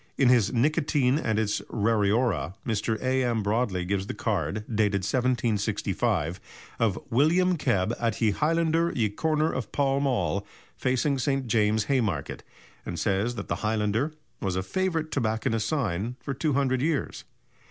In his "Nicotine and its Rariora," Mr. A.M. Broadley gives the card, dated 1765, of "William Kebb, at ye Highlander ye corner of Pall Mall, facing St. James's, Haymarket," and says that the highlander was a favourite tobacconist's sign for 200 years.